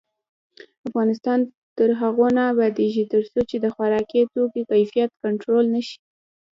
افغانستان تر هغو نه ابادیږي، ترڅو د خوراکي توکو کیفیت کنټرول نشي.